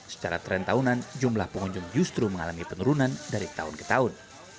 secara tren tahunan jumlah pengunjung justru mengalami penurunan dari tahun ke tahun